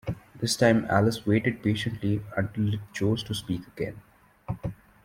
This time Alice waited patiently until it chose to speak again.